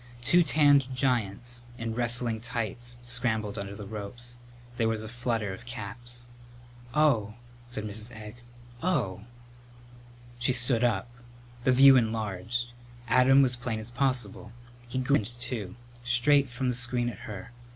Two tanned giants in wrestling tights scrambled under the ropes. There was a flutter of caps. "Oh!" said Mrs. Egg. "Oh!" She stood up. The view enlarged. Adam was plain as possible. He grinned, too; straight from the screen at her.